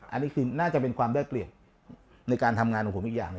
อันนี้คือน่าจะเป็นความได้เกลียดในการทำงานของผมอีกอย่างหนึ่ง